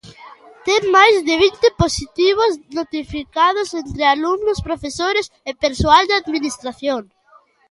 Ten máis de vinte positivos notificados entre alumnos, profesores e persoal de administración.